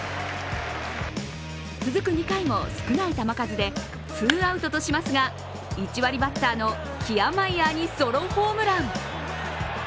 続く２回も少ない球数でツーアウトとしますが１割バッターのキアマイアーにソロホームラン。